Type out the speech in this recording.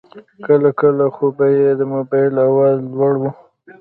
کله کله خو به یې د موبایل آواز لوړ و.